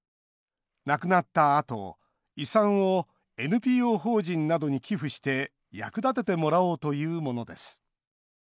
亡くなったあと遺産をＮＰＯ法人などに寄付して役立ててもらおうというものです。